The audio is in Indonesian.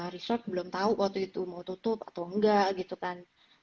research belum tahu waktu itu mau tutup atau enggak gitu kan